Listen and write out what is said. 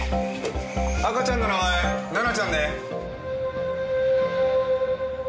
赤ちゃんの名前奈々ちゃんね。